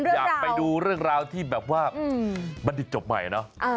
อยากไปดูเรื่องราวที่แบบว่าบัณฑิตจบใหม่เนอะ